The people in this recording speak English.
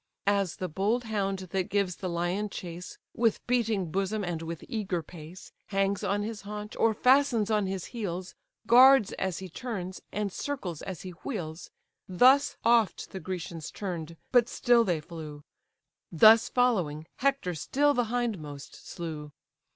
As the bold hound, that gives the lion chase, With beating bosom, and with eager pace, Hangs on his haunch, or fastens on his heels, Guards as he turns, and circles as he wheels; Thus oft the Grecians turn'd, but still they flew; Thus following, Hector still the hindmost slew.